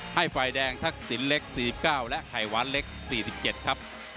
ให้ฝ่ายแดงทักษินเล็ก๔๙และไขว้ลเล็ก๔๗ครับ